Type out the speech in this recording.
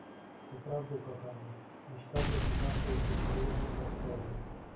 "Doprawdy kochanie, dziś tak jak i zawsze jesteś królową gospodyń!"